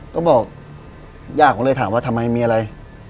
ก็บอกย่าผมเลยถามว่าทำไมมีอะไร